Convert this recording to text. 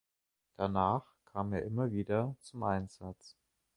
Danach kam er immer wieder zum Einsatz.